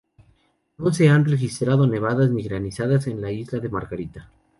No se han registrado nevadas ni granizadas en la isla de Margarita.